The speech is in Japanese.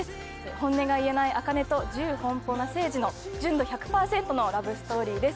本音が言えない茜と自由奔放な青磁の純度１００％のラブストーリーです。